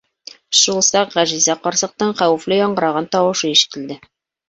Шул саҡ Ғәжизә ҡарсыҡтың хәүефле яңғыраған тауышы ишетелде.